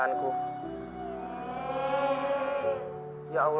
kamu semua asli